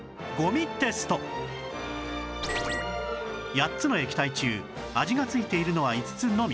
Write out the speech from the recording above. ８つの液体中味が付いているのは５つのみ